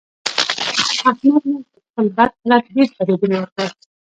احمد نن پر خپل بد حالت ډېر فریادونه وکړل.